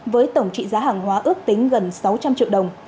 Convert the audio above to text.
với tổng trị giá hàng hóa ước tính gần sáu trăm linh triệu đồng